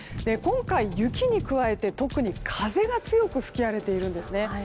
今回、雪に加えて特に風が強く吹き荒れているんです。